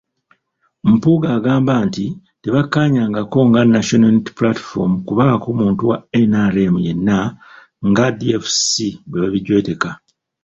Mpuuga agamba nti tebakkaanyangako nga National Unity Platform kubaako muntu wa NRM yenna nga DFC bw’ebijweteka.